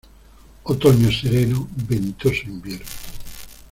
Otoño sereno, ventoso invierno.